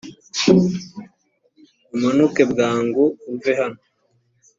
umanuke bwangu uve hano